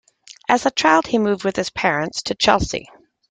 As a child he moved with his parents to Chelsea.